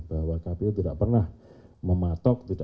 bahwa kpu tidak pernah mematok